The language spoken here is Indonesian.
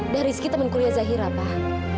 dan rizky teman kuliah zahira pak